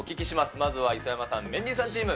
まずは磯山さん、メンディーさんチーム。